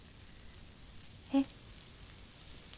えっ。